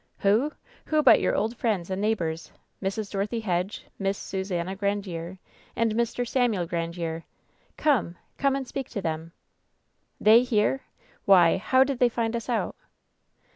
"Who? Who but your old friends and neighbors, Mrs. Dorothy Hedge, Miss Susannah Grandiere and Mr. Samuel Grandiere. Come ! Come and speak to them." "They here ! Why, how did they find us out